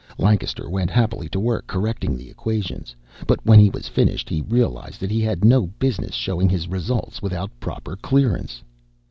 Lancaster went happily to work correcting the equations. But when he was finished, he realized that he had no business showing his results without proper clearance.